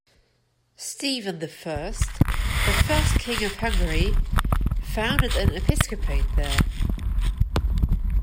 Stephen I, the first king of Hungary, founded an episcopate there.